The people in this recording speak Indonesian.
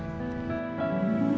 aku sudah menanggungmu